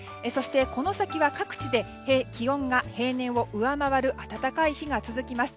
この先は各地で気温が平年を上回る暖かい日が続きます。